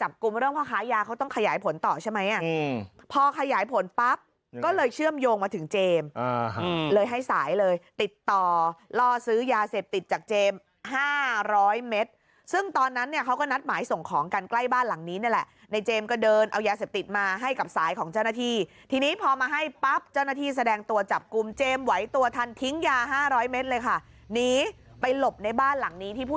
จากเจมส์เลยให้สายเลยติดต่อล่อซื้อยาเสพติดจากเจมส์๕๐๐เมตรซึ่งตอนนั้นเนี่ยเขาก็นัดหมายส่งของกันใกล้บ้านหลังนี้นี่แหละในเจมส์ก็เดินเอายาเสพติดมาให้กับสายของเจ้าหน้าที่ทีนี้พอมาให้ปั๊บเจ้าหน้าที่แสดงตัวจับกลุ่มเจมส์ไหวตัวทันทิ้งยา๕๐๐เมตรเลยค่ะหนีไปหลบในบ้านหลังนี้ที่ผู้